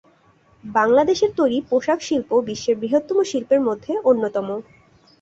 বাংলাদেশের তৈরি পোশাক শিল্প বিশ্বের বৃহত্তম শিল্পের মধ্যে অন্যতম।